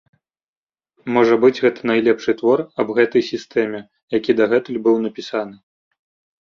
Можа быць, гэта найлепшы твор аб гэтай сістэме, які дагэтуль быў напісаны.